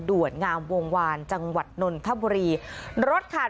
ด่วนหงาวงวานจังหวัดณทบดิรถขาด